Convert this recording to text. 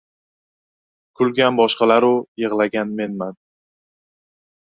Kulgan boshqalaru, yig‘lagan menman.